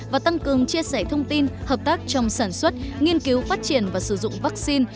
và tăng cường chia sẻ thông tin hợp tác trong sản xuất nghiên cứu phát triển và sử dụng vaccine